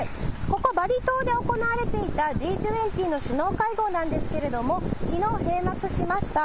ここバリ島で行われていたＧ２０の首脳会合なんですけれども、きのう閉幕しました。